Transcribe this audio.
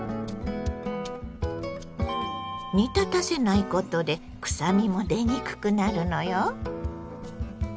煮立たせないことでくさみも出にくくなるのよ。